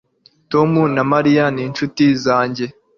Tom na Mariya ni inshuti zanjye